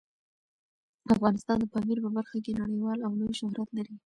افغانستان د پامیر په برخه کې نړیوال او لوی شهرت لري.